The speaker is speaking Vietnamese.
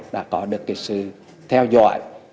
đã có được sự theo dõi